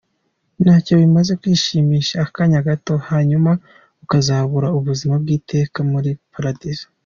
Ntacyo bimaze kwishimisha akanya gato hanyuma ukazabura ubuzima bw’iteka muli paradizo.